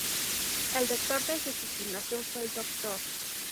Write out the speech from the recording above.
El rector desde su fundación fue el Dr.